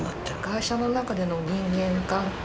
会社の中での人間関係。